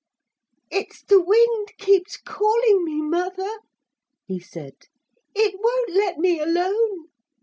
'It's the wind keeps calling me, mother,' he said. 'It won't let me alone.